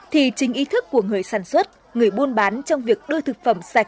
thì chính ý thức của người sản xuất người buôn bán trong việc đưa thực phẩm sạch